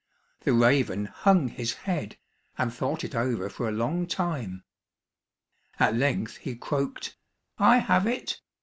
The raven hung his head and thought it over for a longtime. At length he croaked, "I have it."